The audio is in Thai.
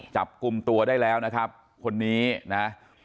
จับกลุ่มตัวได้แล้วนะครับคนนี้นะ